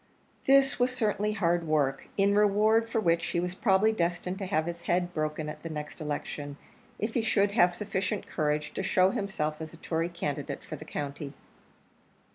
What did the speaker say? This was certainly hard work; in reward for which he was probably destined to have his head broken at the next election, if he should have sufficient courage to show himself as a Tory candidate for the county.